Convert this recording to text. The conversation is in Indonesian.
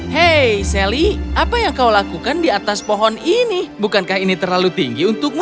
hei sally apa yang kau lakukan di atas pohon ini bukankah ini terlalu tinggi untukmu